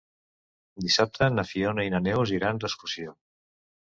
Dissabte na Fiona i na Neus iran d'excursió.